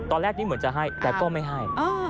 ตอนแรกนี้เหมือนจะให้แต่ก็ไม่ให้